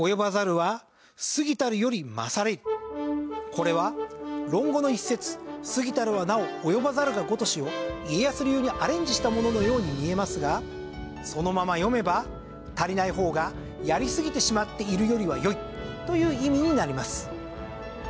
これは論語の一節「過ぎたるはなお及ばざるがごとし」を家康流にアレンジしたもののように見えますがそのまま読めば足りない方がやりすぎてしまっているよりは良いという意味になります。